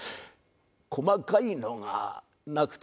細かいのがなくて。